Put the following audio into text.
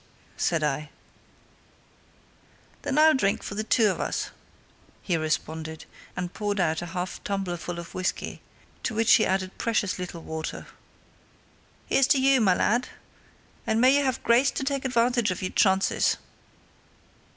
said I. "Then I'll drink for the two of us," he responded, and poured out a half tumblerful of whisky, to which he added precious little water. "Here's to you, my lad; and may you have grace to take advantage of your chances!"